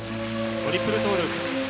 トリプルトーループ。